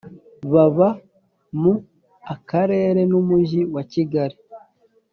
baba mu akarere n’ umujyi wa kigali